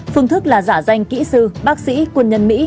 phương thức là giả danh kỹ sư bác sĩ quân nhân mỹ